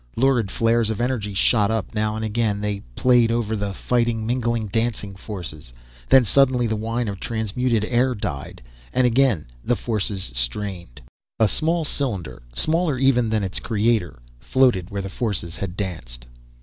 Lurid flares of energy shot up, now and again they played over the fighting, mingling, dancing forces. Then suddenly the whine of transmuted air died, and again the forces strained. A small cylinder, smaller even than its creator, floated where the forces had danced.